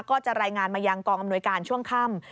ก็จะรายงานมายังกองอำนวยการช่วงค่ำ